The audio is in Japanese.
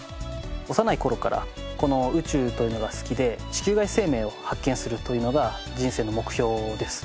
幼い頃からこの宇宙というのが好きで地球外生命を発見するというのが人生の目標です。